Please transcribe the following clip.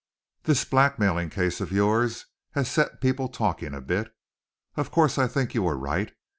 This blackmailing case of yours has set people talking a bit. Of course, I think you were right.